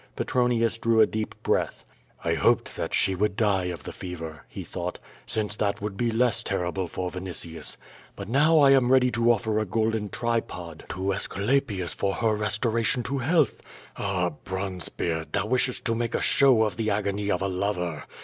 Petronius drew a deep breath. "I hoped that she would die of the fever,*' he thought, "since that would be less terrible for Vinitius. But now I am 428 Ot/0 VADtS. ready to offer a golden tripod to Aesculapius for her restora tion to health. Ah, Bronzebeard, thou wishest to make ashow of the agony of a lover!